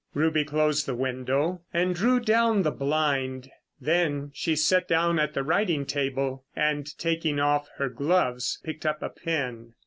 Ruby closed the window and drew down the blind. Then she sat down at the writing table, and taking off her gloves picked up a pen.